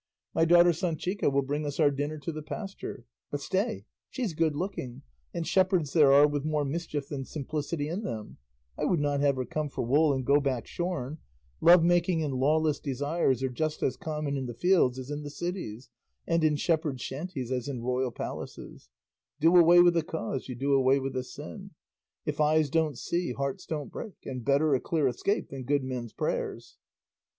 My daughter Sanchica will bring us our dinner to the pasture. But stay she's good looking, and shepherds there are with more mischief than simplicity in them; I would not have her 'come for wool and go back shorn;' love making and lawless desires are just as common in the fields as in the cities, and in shepherds' shanties as in royal palaces; 'do away with the cause, you do away with the sin;' 'if eyes don't see hearts don't break' and 'better a clear escape than good men's prayers.